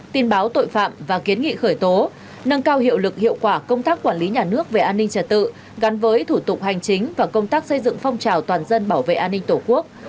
tin báo tội phạm và kiến nghị khởi tố nâng cao hiệu lực hiệu quả công tác quản lý nhà nước về an ninh trật tự gắn với thủ tục hành chính và công tác xây dựng phong trào toàn dân bảo vệ an ninh tổ quốc